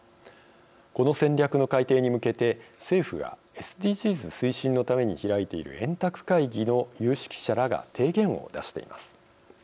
この戦略の改定に向けて政府がＳＤＧｓ推進のために開いている円卓会議の有識者らが提言を出しています。